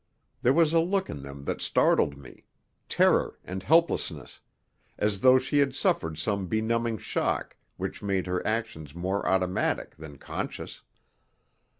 There was a look in them that startled me terror and helplessness, as though she had suffered some benumbing shock which made her actions more automatic than conscious.